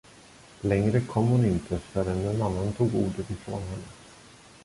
Längre kom hon inte, förrän en annan tog ordet ifrån henne.